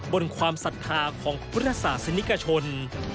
บนความศรัทธาของพุทธศาสนิกชน